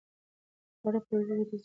د غره په لور ورېځې په ارامه روانې وې.